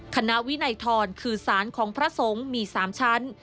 คณะวินัยทรคือสารของพระสงฆ์มี๓ชั้น